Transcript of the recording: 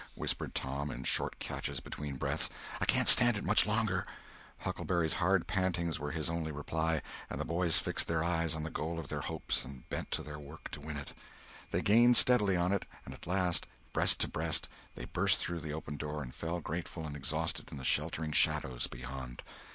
whispered Tom, in short catches between breaths. "I can't stand it much longer." Huckleberry's hard pantings were his only reply, and the boys fixed their eyes on the goal of their hopes and bent to their work to win it. They gained steadily on it, and at last, breast to breast, they burst through the open door and fell grateful and exhausted in the sheltering shadows beyond.